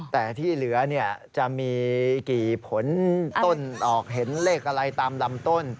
แต่ที่เหลือจะมีกี่ผลต้นออกเห็นเลขอะไรตามลำต้น